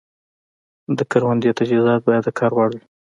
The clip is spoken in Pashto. د کروندې تجهیزات باید د کار وړ وي.